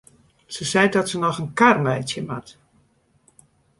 Se seit dat se noch in kar meitsje moat.